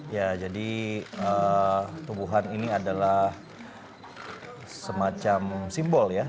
ya jadi tubuhan ini adalah semacam simbol ya